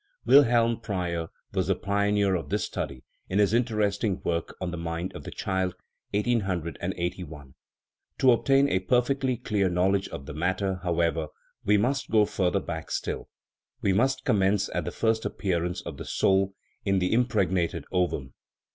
Wilhelm Preyer was the pioneer of this study in his interesting work on The Mind of the Child (1881). To obtain a perfectly clear knowledge of the matter, however, we must go further back still; we must commence at the first appearance of the soul in the impregnated ovum.